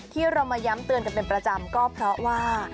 ที่เรามาย้ำเตือนกันเป็นประจำก็เพราะว่า